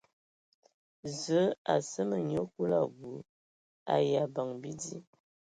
Zəə a seme nyia Kulu abui ai abəŋ bidi.